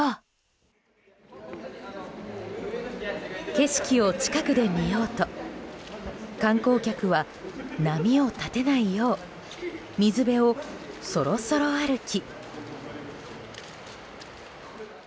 景色を近くで見ようと観光客は、波を立てないよう水辺をそろそろ歩き。